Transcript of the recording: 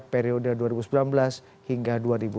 periode dua ribu sembilan belas hingga dua ribu dua puluh